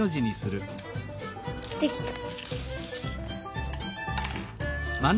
できた。